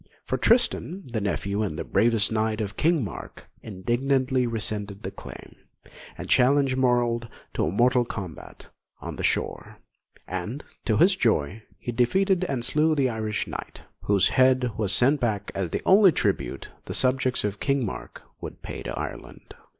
For Tristan, the nephew and bravest knight of King Mark, indignantly resented the claim, and challenged Morold to mortal combat on the shore; and, to his joy, he defeated and slew the Irish knight, whose head was sent back as the only tribute the subjects of King Mark would pay to Ireland.